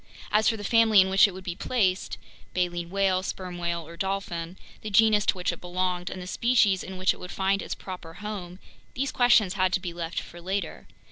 As for the family in which it would be placed (baleen whale, sperm whale, or dolphin), the genus to which it belonged, and the species in which it would find its proper home, these questions had to be left for later.